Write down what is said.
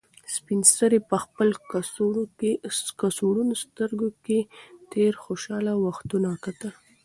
سپین سرې په خپل کڅوړنو سترګو کې تېر خوشحاله وختونه کتل.